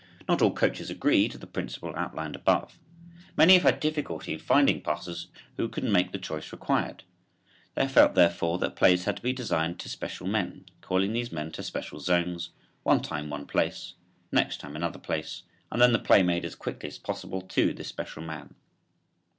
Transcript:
Not all coaches agree to the principle outlined above. Many have had difficulty in finding passers who could make the choice required. They have felt, therefore, that plays had to be designed to special men, calling these men to special zones, one time one place, next time another place, and then the play made as quickly as possible to this special man.